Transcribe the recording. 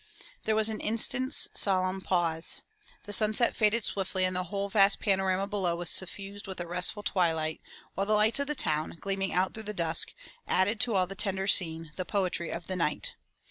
'' There was an instant's solemn pause. The sunset faded swiftly and the whole vast panorama below was suffused with a restful twilight, while the lights of the town, gleaming out through the dusk, added to all the tender scene, the poetry of the night.